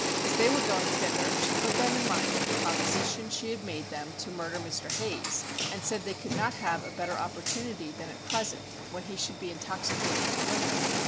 As they were going thither, she put them in mind of the proposition she had made them to murder Mr. Hayes, and said they could not have a better opportunity than at present, when he should be intoxicated with liquor.